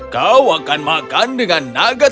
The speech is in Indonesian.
kau akan makan dengan naga